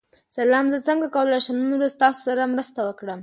سلام، زه څنګه کولی شم نن ورځ ستاسو سره مرسته وکړم؟